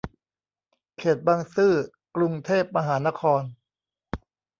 เขตบางซื่อ กรุงเทพมหานคร